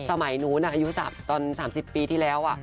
สมัยนู้นอายุตอน๓๐ปีที่แล้ว